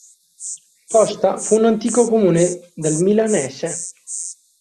Costa fu un antico comune del Milanese.